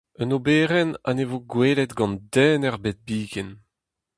Un oberenn ha ne vo gwelet gant den ebet biken.